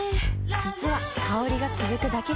実は香りが続くだけじゃない